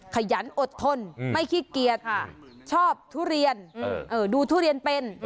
ขยันอดทนไม่ขี้เกียจชอบทุเรียนดูทุเรียนเป็น